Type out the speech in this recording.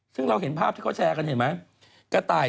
ซึ่งเราเห็นภาพที่เขาแชร์กันเห็นไหม